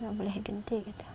nggak boleh diganti gitu katanya